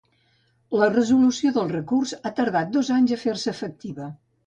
La resolució del recurs ha tardat dos anys a fer-se efectiva.